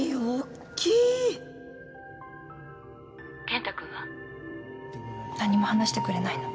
健太君は？何も話してくれないの。